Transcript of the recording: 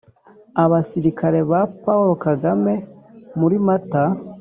abasirikari ba paul kagame muri mata .